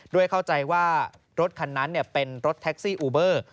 เข้าใจว่ารถคันนั้นเป็นรถแท็กซี่อูเบอร์